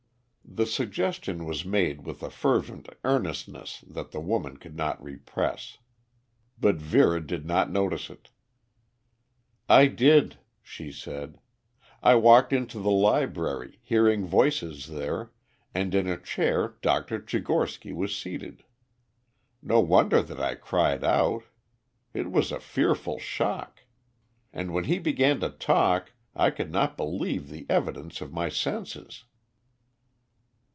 The suggestion was made with a fervent earnestness that the woman could not repress. But Vera did not notice it. "I did," she said. "I walked into the library, hearing voices there, and in a chair Dr. Tchigorsky was seated. No wonder that I cried out. It was a fearful shock. And when he began to talk I could not believe the evidence of my senses."